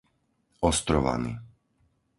Ostrovany